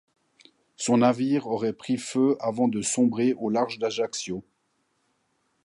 Son navire aurait pris feu avant de sombrer au large d'Ajaccio.